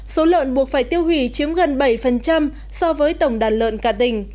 số lợn buộc phải tiêu hủy chiếm gần bảy so với tổng đàn lợn cả tỉnh